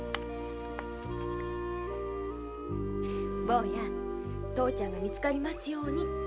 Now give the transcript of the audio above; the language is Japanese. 坊や父ちゃんが見つかりますように拝むのよ。